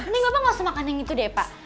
nih bapak gak usah makan yang itu deh pak